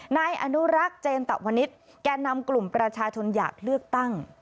นายอนุรักษ์เจนตะวนิษฐ์แก่นำกลุ่มประชาชนอยากเลือกตั้ง